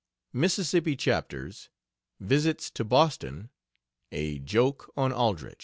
MISSISSIPPI CHAPTERS. VISITS TO BOSTON. A JOKE ON ALDRICH.